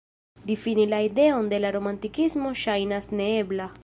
Difini la ideon de la romantikismo ŝajnas neebla.